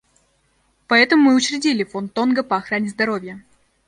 Поэтому мы учредили Фонд Тонга по охране здоровья.